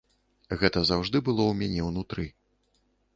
Гэта заўжды было ў мяне ўнутры.